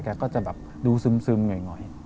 แกก็จะดูซึมเงย